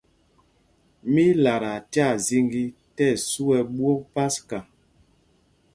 Mí í lataa tyaa zīŋgī tí ɛsu ɛ ɓwok paska.